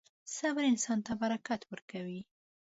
• صبر انسان ته برکت ورکوي.